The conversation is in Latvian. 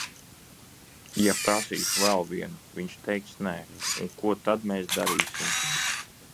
Ja prasīšu vēl vienu, viņš teiks nē, un ko tad mēs darīsim?